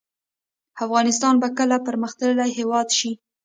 افغانستان به کله پرمختللی هیواد شي؟